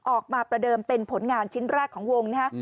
ประเดิมเป็นผลงานชิ้นแรกของวงนะฮะ